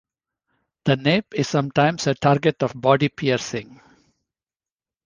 The nape is sometimes a target of body piercing.